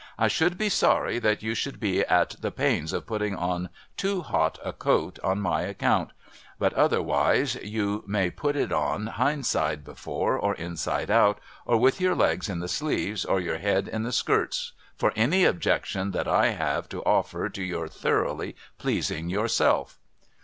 I should be sorry that you should be at the pains of putting on too hot a coat on my account ; but, otherwise, you may i)Ut it on hind side before, or inside out, or with your legs in the sleeves, or your head in the skirts, for any objection that I have to ofter to your thoroughly pleasing yourself.'